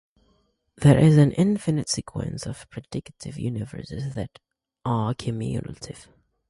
There is an infinite sequence of predicative universes that "are cumulative".